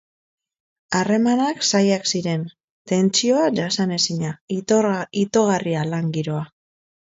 Harremanak zailak ziren, tentsioa jasanezina, itogarria lan giroa.